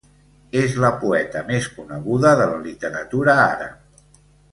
És la poeta més coneguda de la literatura àrab.